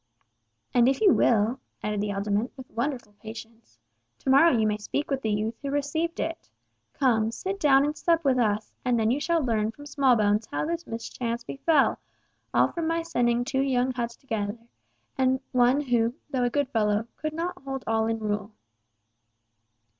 "And if you will," added the alderman, with wonderful patience, "to morrow you may speak with the youth who received it. Come, sit down and sup with us, and then you shall learn from Smallbones how this mischance befel, all from my sending two young heads together, and one who, though a good fellow, could not hold all in rule."